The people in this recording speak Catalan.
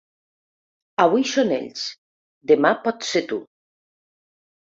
Avui són ells, demà pots ser tu.